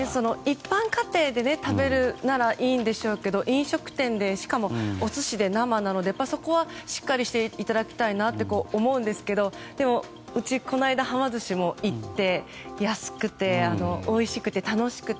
一般家庭で食べるならいいんでしょうけど飲食店でしかもお寿司で、生なのでそこはしっかりしていただきたいなと思うんですがでも、うちこの間はま寿司に行って安くて、おいしくて、楽しくて。